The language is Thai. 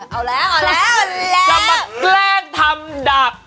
เอาแล้วจะมาแกล้งทำดับ